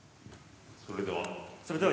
それでは。